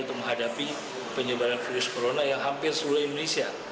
untuk menghadapi penyebaran virus corona yang hampir seluruh indonesia